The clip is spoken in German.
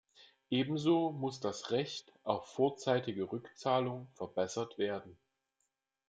Ebenso muss das Recht auf vorzeitige Rückzahlung verbessert werden.